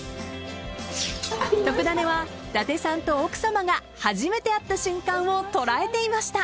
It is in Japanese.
［『とくダネ！』は伊達さんと奥さまが初めて会った瞬間を捉えていました］